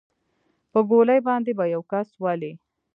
په ګولۍ باندې به يو كس ولې.